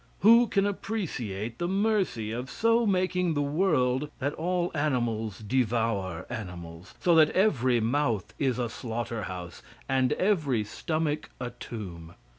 Who can appreciate the mercy of so making the world that all animals devour animals? so that every mouth is a slaughter house, and every stomach a tomb?